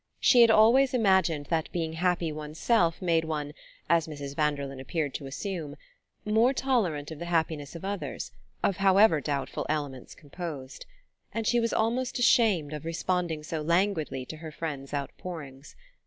She had always imagined that being happy one's self made one as Mrs. Vanderlyn appeared to assume more tolerant of the happiness of others, of however doubtful elements composed; and she was almost ashamed of responding so languidly to her friend's outpourings.